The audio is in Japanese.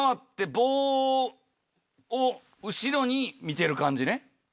棒を後ろに見てる感じね。